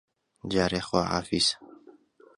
جارێ خواحافیز